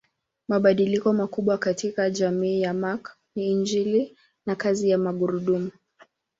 Mabadiliko makubwa katika jamii ya Mark ni injini na kazi ya magurudumu.